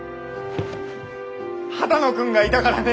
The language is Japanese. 波多野君がいたからね！